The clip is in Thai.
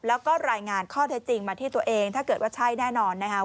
แล้วก็รายงานข้อเท็จจริงมาที่ตัวเองถ้าเกิดว่าใช่แน่นอนนะคะ